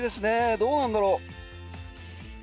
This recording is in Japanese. どうなんだろう。